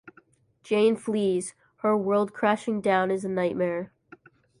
Jane flees, her world crashing down is a nightmare.